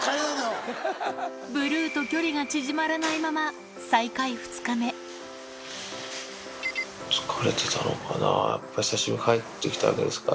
ブルーと距離が縮まらないま疲れてたのかな、やっぱり、久しぶりに帰ってきたわけですから。